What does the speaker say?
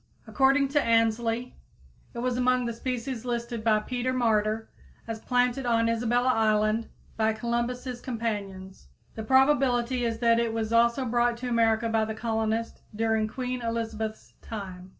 According to Ainslie, it was among the species listed by Peter Martyr as planted on Isabella Island by Columbus's companions. The probability is that it was also brought to America by the colonists during Queen Elizabeth's time.